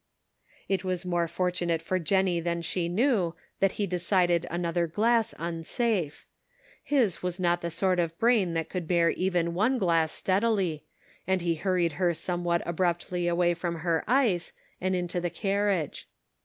It was more fortunate for Jennie than she knew that he decided another glass unsafe ; his was not the sort of brain that would bear even one glass steadily, and he hurried her somewhat abruptly away from her ice, and into the carriage.